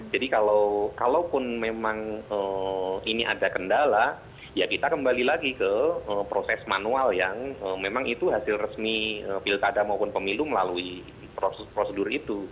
jadi kalau pun memang ini ada kendala ya kita kembali lagi ke proses manual yang memang itu hasil resmi piltada maupun pemilu melalui prosedur itu